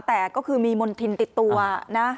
แต่ก็คือมีมณฑินติดตัวนะ